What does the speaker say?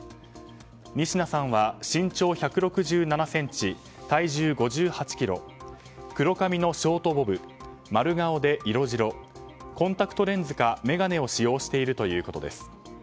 仁科さんは身長１６７ｃｍ、体重５８ｋｇ黒髪のショートボブ、丸顔で色白コンタクトレンズか眼鏡を使用しているということです。